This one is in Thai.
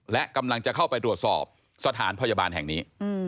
และกำลังจะเข้าไปตรวจสอบสถานพยาบาลแห่งนี้